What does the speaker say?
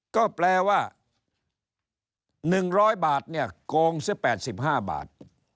ก็แปลว่า๑๐๐บาทโกงซะ๘๕บาท